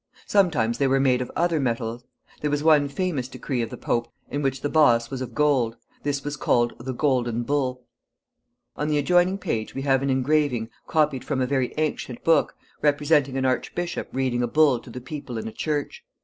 Sometimes they were made of other metals. There was one famous decree of the Pope in which the boss was of gold. This was called the golden bull. On the adjoining page we have an engraving, copied from a very ancient book, representing an archbishop reading a bull to the people in a church.